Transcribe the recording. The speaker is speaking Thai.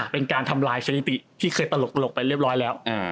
เป็นการทำลายสถิติที่เคยตลกไปเรียบร้อยแล้ว